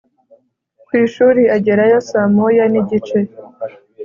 Ku ishuri agerayo saa moya n’igice,